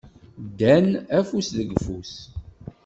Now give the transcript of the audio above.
Ddan afus deg ufus.